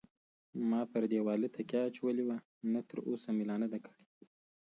ما پر دېواله تکیه اچولې وه، نه تراوسه مې لا نه دی کړی.